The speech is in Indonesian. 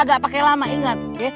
gak pakai lama ingat ya